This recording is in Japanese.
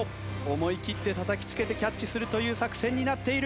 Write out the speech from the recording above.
思い切ってたたきつけてキャッチするという作戦になっている。